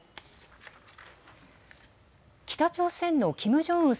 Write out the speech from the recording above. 北朝鮮のキム・ジョンウン